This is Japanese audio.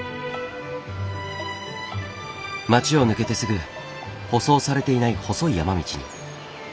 町を抜けてすぐ舗装されていない細い山道に。